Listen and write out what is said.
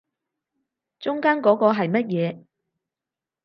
中間嗰個係乜嘢